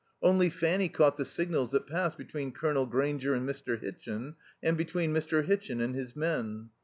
Only Fanny caught the signals that passed between Colonel Grainger and Mr. Hitchin, and between Mr. Hitchin and his men.